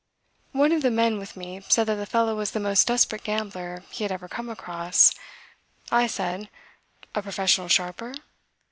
One of the men with me said that the fellow was the most desperate gambler he had ever come across. I said: "A professional sharper?"